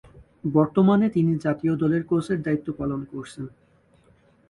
বর্তমানে তিনি জাতীয় দলের কোচের দায়িত্ব পালন করছেন।